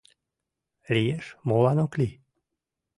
«Лиеш, молан ок лий».